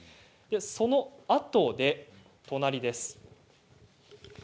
そのあとで、隣です。